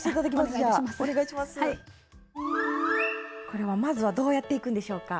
これはまずはどうやっていくんでしょうか？